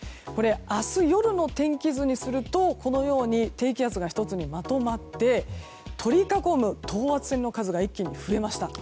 明日夜の天気図にすると低気圧が１つにまとまって取り囲む等圧線の数が一気に増えました。